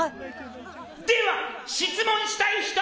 では質問したい人！